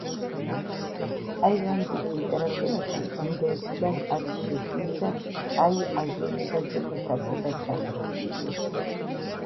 ტაილანდის ლიტერატურაში ინდოეთიდან არის შესული და ტაი აზროვნებაზე მოსარგებად სახეცვლილი.